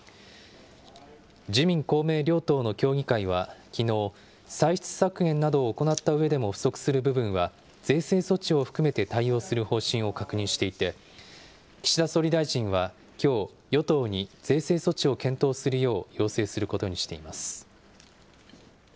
自民、公明両党の協議会は、きのう、歳出削減などを行ったうえでも不足する部分は、税制措置を含めて対応する方針を確認していて、岸田総理大臣はきょう、与党に税制措置を検討するよう要請することにしています。